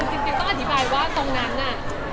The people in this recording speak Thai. ไม่ค่ะคือจริงต้องอธิบายว่าตรงนั้นน่ะ